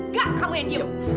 enggak kamu yang diam